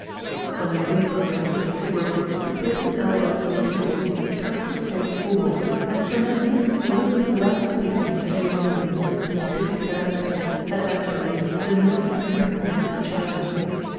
When the zinc worker had lit his cigarette, he placed his elbows on the table, thrust his face forward, and for an instant looked without speaking at the young woman, whose pretty fair face had that day the milky transparency of china.